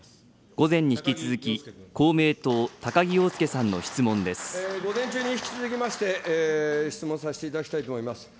午前に引き続き、公明党、午前中に引き続きまして、質問させていただきたいと思います。